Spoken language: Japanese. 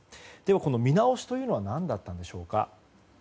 この見直しというのは何だったのでしょうか。